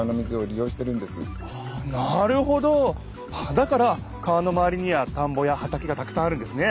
だから川のまわりには田んぼや畑がたくさんあるんですね！